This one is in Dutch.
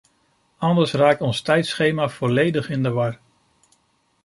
Anders raakt ons tijdschema volledig in de war.